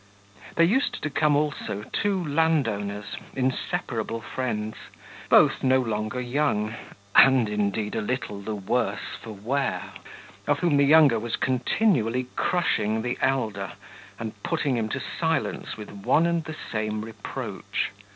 There used to come also two landowners, inseparable friends, both no longer young and indeed a little the worse for wear, of whom the younger was continually crushing the elder and putting him to silence with one and the same reproach.